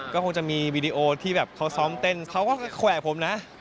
ก็คงจะมีวีดีโอที่แบบเขาซ้อมเต้นเขาก็แขวะผมนะ